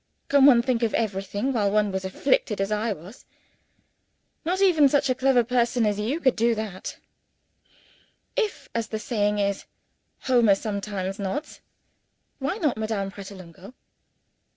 Can one think of everything while one is afflicted, as I was? Not even such a clever person as You can do that. If, as the saying is, "Homer sometimes nods" why not Madame Pratolungo?